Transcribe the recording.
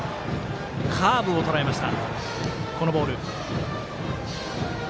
カーブをとらえました。